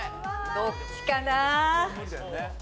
どっちかな？